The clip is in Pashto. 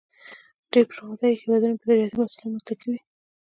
ډېری پرمختیایي هېوادونه په زراعتی محصولاتو متکی وي.